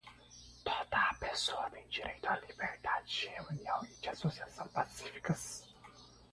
Toda a pessoa tem direito à liberdade de reunião e de associação pacíficas.